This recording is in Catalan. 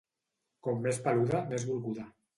Com més peluda, més volguda.